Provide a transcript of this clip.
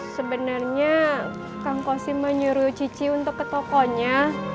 sebenernya kang koshim menyuruh cici untuk ke tokonya